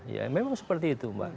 ya memang seperti itu mbak